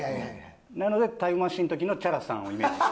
なので『タイムマシーン』の時のＣｈａｒａさんをイメージして。